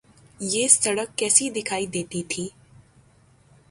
یہ سڑک کیسی دکھائی دیتی تھی۔